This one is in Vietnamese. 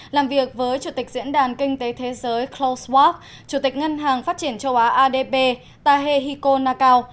làm việc với chủ tịch diễn đàn kinh tế thế giới klaus wach chủ tịch ngân hàng phát triển châu á adp tahe hiko nakao